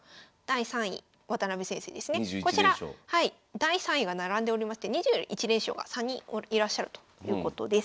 第３位が並んでおりまして２１連勝が３人いらっしゃるということです。